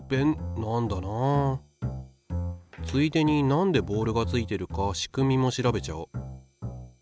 ついでになんでボールがついてるか仕組みも調べちゃおう。